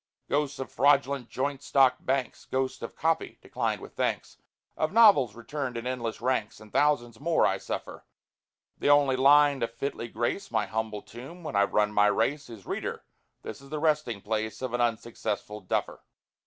Ghosts of fraudulent joint stock banks, Ghosts of "copy, declined with thanks," Of novels returned in endless ranks, And thousands more, I suffer. The only line to fitly grace My humble tomb, when I've run my race, Is, "Reader, this is the resting place Of an unsuccessful duffer."